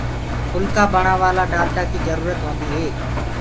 ڦُلڪآ بڻآوآ لآ ڊآلٽآ ڪيٚ جرورتَ هونٚدي هي